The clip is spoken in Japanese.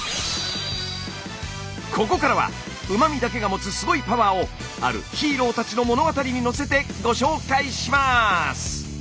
ここからはうま味だけが持つすごいパワーをあるヒーローたちの物語に乗せてご紹介します。